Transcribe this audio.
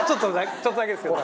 ちょっとだけですけど。